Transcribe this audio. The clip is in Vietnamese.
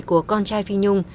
của con trai phi nhung